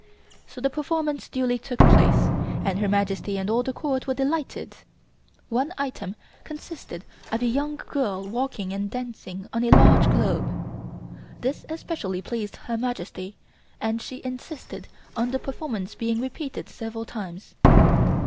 So the performance duly took place and Her Majesty and all the Court were delighted. One item consisted of a young girl walking and dancing on a large globe. This especially pleased Her Majesty and she insisted on the performance being repeated several times.